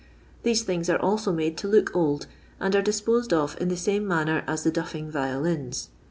These things are also made to look old, and are disposed of in the same manner as the duffing violins.